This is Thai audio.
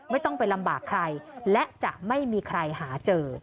ไม่ต้องไปลำบากใครและจะไม่มีใครหาเจอ